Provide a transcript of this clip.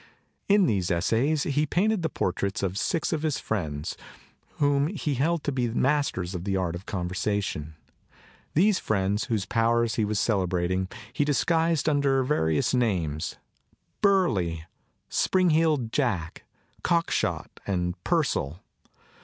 In these essays he painted the portraits of six of his friends whom he held to be masters of the art of conversation. These friends whose powers he was celebrating he dis guised under various names, "Burly," "Spring I'd Jack," "Cockshot" and "Purcell."